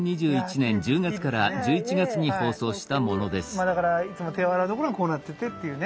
まあだからいつも手を洗うところがこうなっててっていうね。